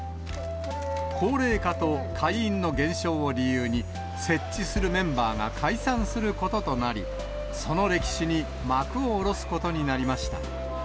高齢化と会員の減少を理由に設置するメンバーが解散することとなり、その歴史に幕を下ろすことになりました。